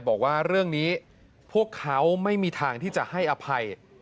บอกว่าเรื่องนี้พวกเขาไม่มีทางที่จะให้อภัย